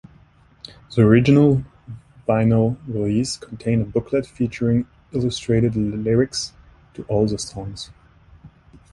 The original vinyl release contained a booklet featuring illustrated lyrics to all the songs.